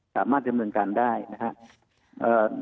สามารถดำเนินการได้นะครับ